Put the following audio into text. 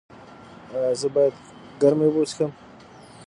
ایا زه باید ګرمې اوبه وڅښم؟